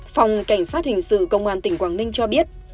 phòng cảnh sát hình sự công an tỉnh quảng ninh cho biết